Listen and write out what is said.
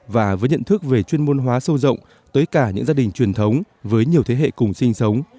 và với nhận thức về chuyên môn hóa sâu rộng tới cả những gia đình truyền thống với nhiều thế hệ cùng sinh sống